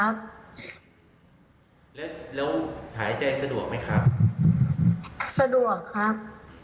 แล้วหายใจสะดวกไหมครับสะดวกครับ